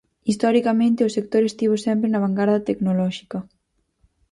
Historicamente, o sector estivo sempre na vangarda tecnolóxica.